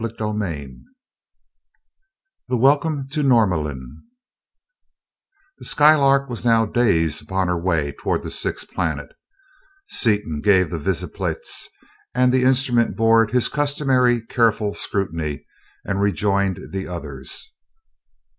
CHAPTER IX The Welcome to Norlamin The Skylark was now days upon her way toward the sixth planet, Seaton gave the visiplates and the instrument board his customary careful scrutiny and rejoined the others.